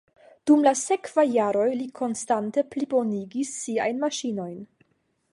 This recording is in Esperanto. Dum la sekvaj jaroj li konstante plibonigis siajn maŝinojn.